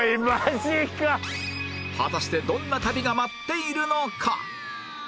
果たしてどんな旅が待っているのか？